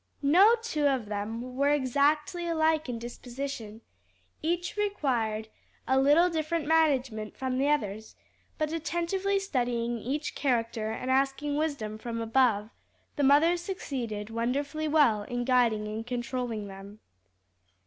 No two of them were exactly alike in disposition each required a little different management from the others but attentively studying each character and asking wisdom from above, the mother succeeded wonderfully well in guiding and controlling them.